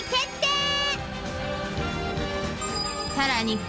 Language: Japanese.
［さらに］